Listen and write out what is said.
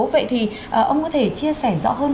vậy thì ông có thể chia sẻ rõ hơn